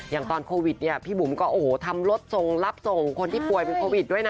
อย่างตอนโควิดนี่พี่บุ๋มก็ทำรสซงรับและสงคนที่ป่วยเป็นโควิดด้วยนะ